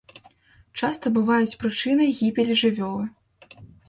Часта бываюць прычынай гібелі жывёлы.